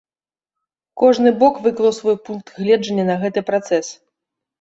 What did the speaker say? Кожны бок выклаў свой пункт гледжання на гэты працэс.